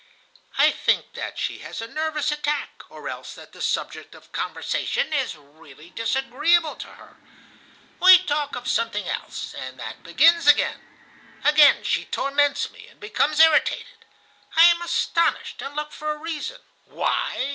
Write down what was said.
I think that she has a nervous attack, or else that the subject of conversation is really disagreeable to her. We talk of something else, and that begins again. Again she torments me, and becomes irritated. I am astonished and look for a reason.